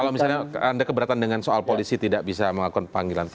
kalau misalnya anda keberatan dengan soal polisi tidak bisa melakukan panggilan